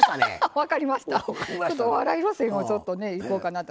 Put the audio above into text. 分かりました？